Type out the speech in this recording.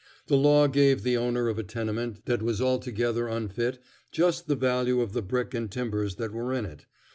The law gave the owner of a tenement that was altogether unfit just the value of the brick and timbers that were in it.